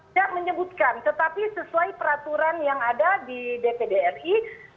tidak menyebutkan tetapi sesuai peraturan yang ada di dpd ri